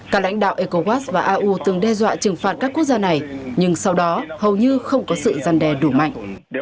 các lãnh đạo ecowas và au từng đe dọa trừng phạt các quốc gia này nhưng sau đó hầu như không có sự gian đe đủ mạnh